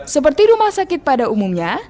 seperti rumah sakit pada umumnya